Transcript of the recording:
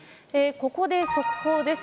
ここで速報です。